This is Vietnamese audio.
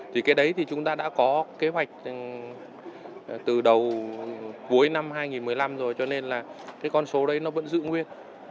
thì cái đấy thì chúng ta đã có kế hoạch từ đầu cuối năm hai nghìn một mươi năm rồi cho nên là cái con số đấy nó vẫn giữ nguyên